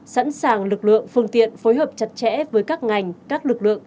sẵn sàng lực lượng phương tiện phối hợp chặt chẽ với các ngành các lực lượng